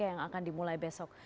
yang akan dimulai besok